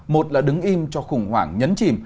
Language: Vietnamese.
một là đứng im cho khủng hoảng nhấn chìm